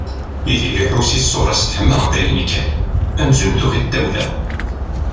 Yidir iḥus i ṣṣura-s teḥma d ayen kan, amzun tuɣ-it tawla.